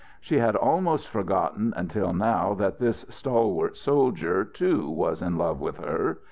She had almost forgotten until now that this stalwart soldier, too, was in love with her.